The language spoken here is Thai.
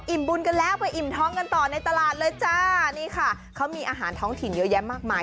บุญกันแล้วไปอิ่มท้องกันต่อในตลาดเลยจ้านี่ค่ะเขามีอาหารท้องถิ่นเยอะแยะมากมาย